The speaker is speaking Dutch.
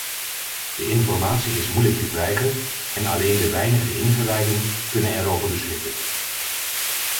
De informatie is moeilijk te krijgen en alleen de weinige ingewijden kunnen erover beschikken.